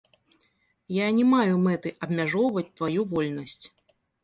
Я не маю мэты абмяжоўваць тваю вольнасць.